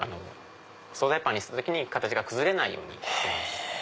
総菜パンにした時に形が崩れないようにしています。